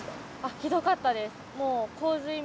ひどかったです。